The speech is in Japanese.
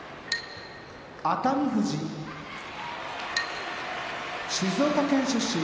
熱海富士静岡県出身